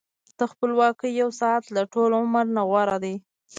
د خپلواکۍ یو ساعت له ټول عمر نه غوره دی.